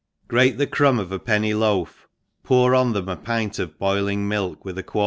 GRATE the crumb of a penny loaf, pour on it a pint of boiling milk, with a quarter